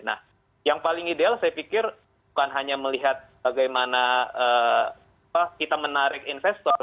nah yang paling ideal saya pikir bukan hanya melihat bagaimana kita menarik investor